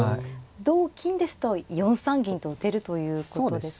同金ですと４三銀と打てるということですか。